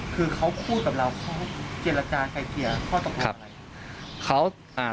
คือเขาพูดกับเราเจรจาใกล้เกี่ยวข้อต้องการอะไร